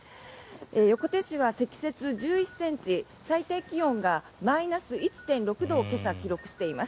横手市は積雪１１ｃｍ最低気温がマイナス１．６度を今朝、記録しています。